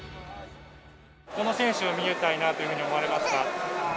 どの選手を見たいなというふうに思われますか？